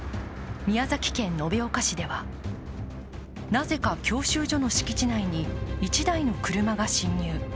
宮崎県延岡市では、なぜか教習所の敷地内に１台の車が進入。